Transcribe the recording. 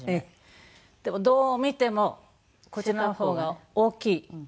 でもどう見てもこちらの方が大きい。